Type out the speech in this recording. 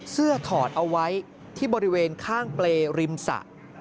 เสื้อถอดเอาไว้ที่บริเวณข้างเปลริมสะ